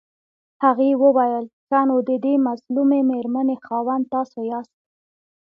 هغې وويل ښه نو ددې مظلومې مېرمنې خاوند تاسو ياست.